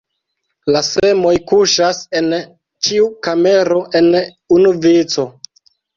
La semoj kuŝas en ĉiu kamero en unu vico.